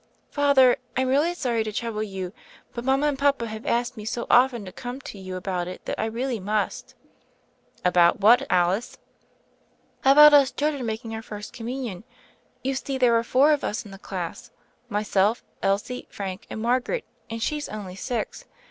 "Father, I'm really sorry to trouble you, but mama and papa have asked me so often to come to you about it that I really must." "About what, Alice ?" "About us children making our First Com munion. You see there are four of us in the class; myself, Elsie, Frank, and Margaret — and she's only six.